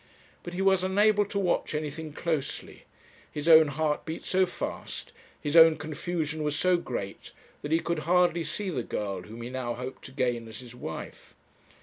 But he was unable to watch anything closely. His own heart beat so fast, his own confusion was so great, that he could hardly see the girl whom he now hoped to gain as his wife.